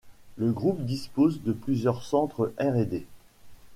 Le groupe dispose de plusieurs centres R&D.